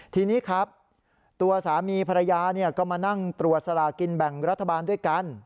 ทีนี้ครับตัวสามีภรรยาก็มานั่งตรวจสลากินแบ่งรัฐบาลด้วยกัน